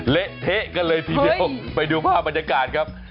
เละเทะกันเลยทีเดียวไปดูภาพบรรยากาศครับ